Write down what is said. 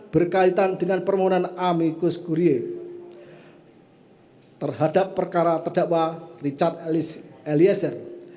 berkaitan dengan permohonan amikus gurie terhadap perkara terdakwa richard eliezer